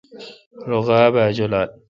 رو غاب اؘ جولال۔